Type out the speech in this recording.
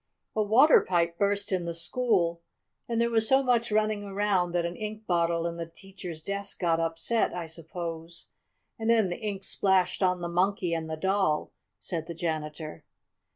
"A water pipe burst in the school, and there was so much running around that an ink bottle in the teacher's desk got upset, I suppose, and then the ink splashed on the Monkey and the Doll," said the janitor.